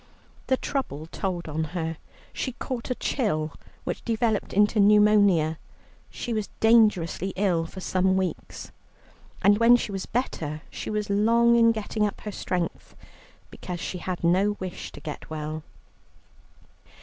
The trouble told on her, she caught a chill, which developed into pneumonia. She was dangerously ill for some weeks, and when she was better, she was long in getting up her strength, because she had no wish to get well.